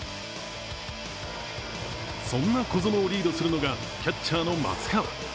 そんな小園をリードするのが、キャッチャーの松川。